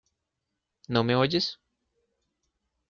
¿ no me oyes?